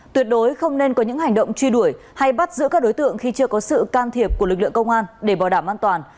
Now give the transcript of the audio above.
tuyệt đối không nên có những hành động truy đuổi hay bắt giữ các đối tượng khi chưa có sự can thiệp của lực lượng công an để bảo đảm an toàn